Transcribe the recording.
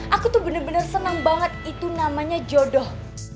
aku tuh bener bener senang banget itu namanya jodoh